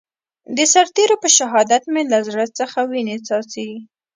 د سرتېرو په شهادت مې له زړه څخه وينې څاڅي.